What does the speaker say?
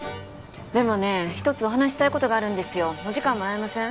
でもね一つお話ししたいことがあるんですよお時間もらえません？